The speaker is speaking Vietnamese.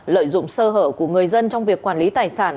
lợi dụng sơ hở của người dân trong việc quản lý tài sản